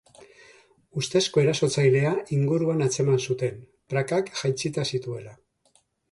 Ustezko erasotzailea inguruan atzeman zuten, prakak jaitsita zituela.